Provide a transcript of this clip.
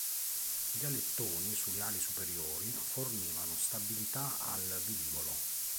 Gli alettoni sulle ali superiori fornivano stabilità al velivolo.